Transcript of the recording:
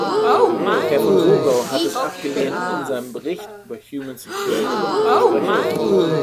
Herr von Wogau hat es abgelehnt, in seinem Bericht über "Human Security" zu sprechen.